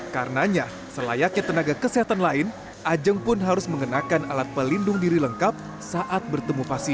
karenanya selayaknya tenaga kesehatan lain ajeng pun harus mengenakan alat pelindung diri lengkap saat bertemu pasien